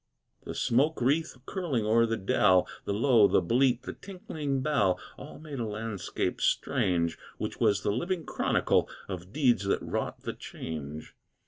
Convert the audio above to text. The smoke wreath curling o'er the dell, The low, the bleat, the tinkling bell, All made a landscape strange, Which was the living chronicle Of deeds that wrought the change.